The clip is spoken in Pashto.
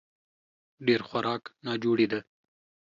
ډېر خوراک ناجوړي ده